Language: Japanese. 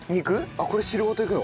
あっこれ汁ごといくの？